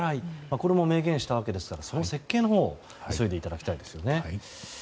これも明言したわけですからその設計のほうを急いでいただきたいですね。